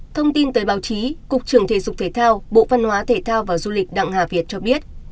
thông tin tới báo chí cục trưởng thể dục thể thao bộ văn hóa thể thao và du lịch đặng hà việt cho biết